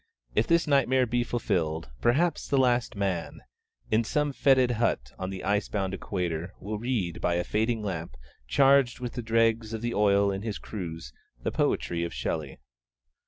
If this nightmare be fulfilled, perhaps the Last Man, in some fetid hut on the ice bound Equator, will read. by a fading lamp charged with the dregs of the oil in his cruse, the poetry of Shelley.